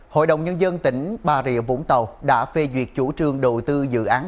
hội đồng nhân dân tỉnh bà rịa vũng tàu đã phê duyệt chủ trương đầu tư dự án